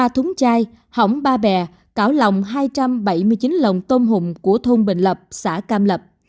ba thúng chai hổng ba bè cảo lòng hai trăm bảy mươi chín lồng tôm hùm của thôn bình lập xã cam lập